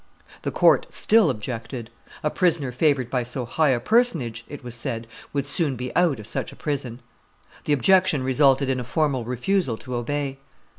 The court still objected; a prisoner favored by so high a personage, it was said, would soon be out of such a prison. The objection resulted in a formal refusal to obey.